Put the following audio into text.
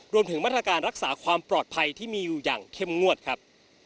รวมถึงมาตรการรักษาความปลอดภัยที่มีอยู่อย่างเข้มงวดครับ